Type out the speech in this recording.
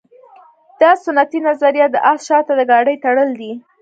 دا سنتي نظریه د اس شاته د ګاډۍ تړل دي